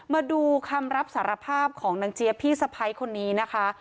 มาดูคำรับสารภาพของนางเจี๊ยบพี่สะพ้ายคนนี้นะคะ